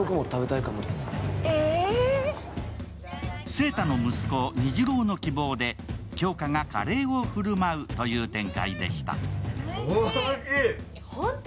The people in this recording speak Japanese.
晴太の息子、虹朗の希望で杏花がカレーを振る舞うという展開でした。